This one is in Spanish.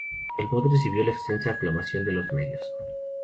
El mod recibió la extensa aclamación de los medios.